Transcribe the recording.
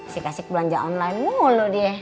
sikasik belanja online mulu dia